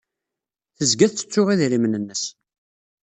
Tezga tettettu idrimen-nnes.